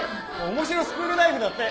「面白スクールライブ」だって。